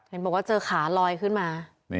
เห็นบอกว่าเจอขาลอยขึ้นมา